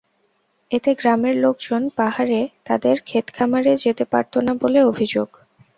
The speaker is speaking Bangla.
এতে গ্রামের লোকজন পাহাড়ে তাদের খেতখামারে যেতে পারত না বলে অভিযোগ।